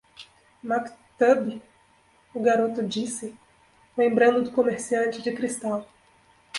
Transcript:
"Maktub?" o garoto disse? lembrando do comerciante de cristal.